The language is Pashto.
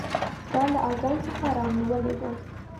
دا له اذان څخه رانیولې ده.